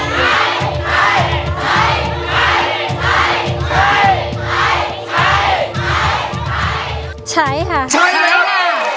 ใช้ใช้ใช้ใช้ใช้ค่ะใช้แล้ว